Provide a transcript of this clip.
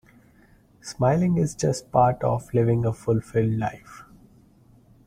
Smiling is just part of living a fulfilled life.